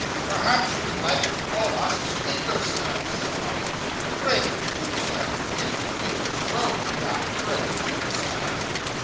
'Perhaps you would like to call us swindlers, sir,' said Dodson. 'Pray do, Sir, if you feel disposed; now pray do, Sir.